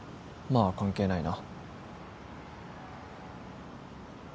まあ関係ないな。